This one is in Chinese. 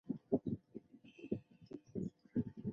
他们中的一些人曾多次访华。